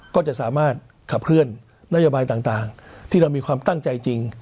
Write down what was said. ก็จะสามารถขับเคลื่อนนโยบายต่างที่เรามีความตั้งใจจริง